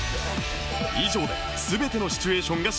以上で全てのシチュエーションが終了